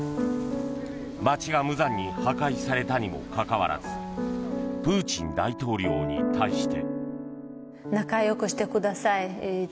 街が無残に破壊されたにもかかわらずプーチン大統領に対して。